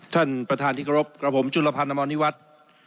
ท่านประธานที่กรบครับผมจุลภัณฑ์นมนิวัฒน์